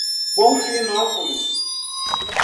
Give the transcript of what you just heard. Bonfinópolis